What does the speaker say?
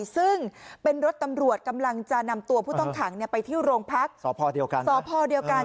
ซึ่งเป็นรถตำรวจกำลังจะนำตัวผู้ต้องขังไปที่โรงพักสพเดียวกันสพเดียวกัน